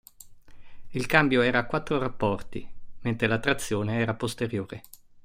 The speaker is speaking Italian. Il cambio era a quattro rapporti, mentre la trazione era posteriore.